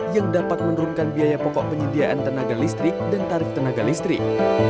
yang dapat menurunkan biaya pokok penyediaan tenaga listrik dan tarif tenaga listrik